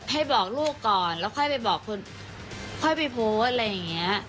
ให้บอกลูกก่อนแล้วค่อยพูดอะไรอย่างนี้